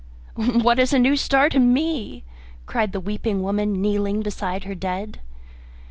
"What is a new star to me?" cried the weeping woman, kneeling beside her dead.